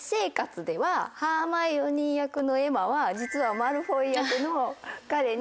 ハーマイオニー役のエマは実はマルフォイ役の彼に。